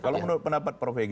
kalau menurut pendapat prof egy